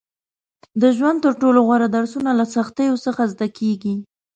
• د ژوند تر ټولو غوره درسونه له سختیو څخه زده کېږي.